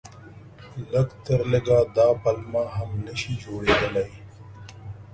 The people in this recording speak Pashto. لږ تر لږه دا پلمه هم نه شي جوړېدلای.